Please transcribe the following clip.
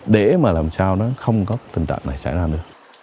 để mà làm sao nó không có tình trạng này xảy ra nữa